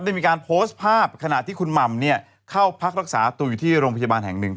มีการโพสต์ภาพขณะที่คุณหม่ำเนี่ยเข้าพักรักษาตัวอยู่ที่โรงพยาบาลแห่งหนึ่ง